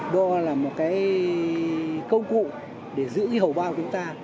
đo là một cái công cụ để giữ cái hầu bao của chúng ta